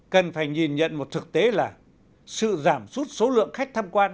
cần phải nhìn nhận một thực tế là sự giảm sút số lượng khách tham quan